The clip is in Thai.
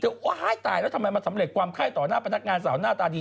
โอ๊ยตายแล้วทำไมมันสำเร็จความไข้ต่อหน้าพนักงานสาวหน้าตาดี